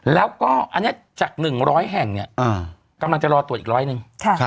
แล้วก็อันนี้จาก๑๐๐แห่งกำลังจะรอตรวจอีก๑๐๐นึง